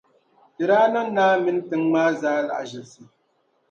Di daa niŋ naa mini tiŋa maa zaa lahaʒibsi.